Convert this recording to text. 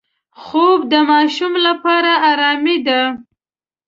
خوب د ماشوم لپاره آرامي ده